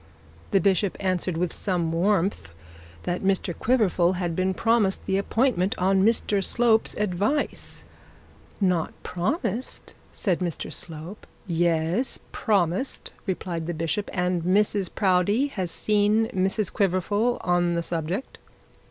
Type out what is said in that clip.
The bishop answered with some warmth that Mr Quiverful had been promised the appointment on Mr Slope's advice. 'Not promised!' said Mr Slope. 'Yes, promised,' replied the bishop, 'and Mrs Proudie has seen Mrs Quiverful on the subject.'